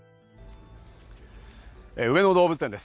上野動物園です。